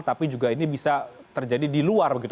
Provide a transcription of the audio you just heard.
tapi juga ini bisa terjadi di luar begitu